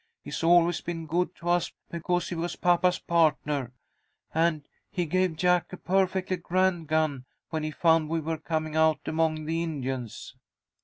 He's always been good to us because he was papa's partner, and he gave Jack a perfectly grand gun when he found we were coming out among the Indians.